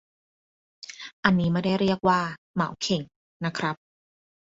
อันนี้ไม่ได้เรียกว่า 'เหมาเข่ง' นะครับ